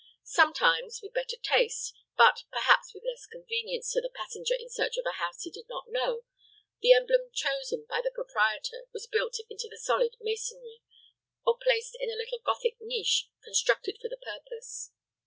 Sometimes, with better taste, but perhaps with less convenience to the passenger in search of a house he did not know, the emblem chosen by the proprietor was built into the solid masonry, or placed in a little Gothic niche constructed for the purpose.